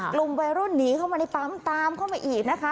กลุ่มวัยรุ่นหนีเข้ามาในปั๊มตามเข้ามาอีกนะคะ